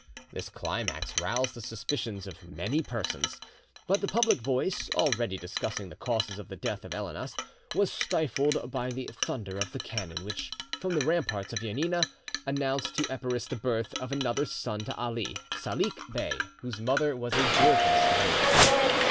This climax roused the suspicions of many persons. But the public voice, already discussing the causes of the death of Elinas, was stifled by the thunder of the cannon, which, from the ramparts of Janina, announced to Epirus the birth of another son to Ali, Salik Bey, whose mother was a Georgian slave.